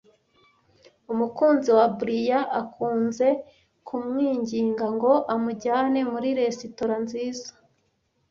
Umukunzi wa Brian akunze kumwinginga ngo amujyane muri resitora nziza.